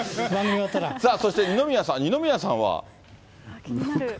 さあそして、二宮さん、二宮気になる。